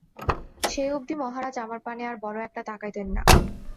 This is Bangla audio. সেই অবধি মহারাজ আমার পানে আর বড় একটা তাকাইতেন না।